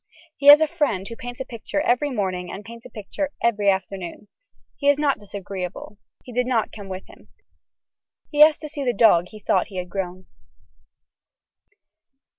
He has a friend who paints a picture every morning and paints a picture every afternoon. He is not disagreeable. He did not come with him. He asked to see the dog he thought he had grown.